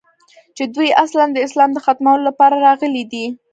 چې دوى اصلاً د اسلام د ختمولو لپاره راغلي دي.